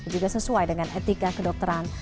juga sesuai dengan etika kedokteran